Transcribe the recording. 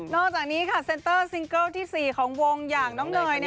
จากนี้ค่ะเซ็นเตอร์ซิงเกิลที่๔ของวงอย่างน้องเนย